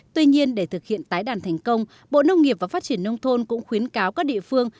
tuy nhiên để thực hiện tái đàn thành công bộ nông nghiệp và phát triển nông thôn cũng khuyến cáo các địa phương